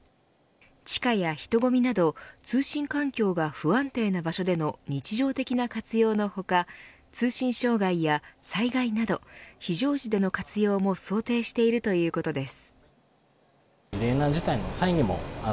地下や人混みなど通信環境が不安定な場所での日常的な活用の他通信障害や災害など非常時での活用も想定しているということです。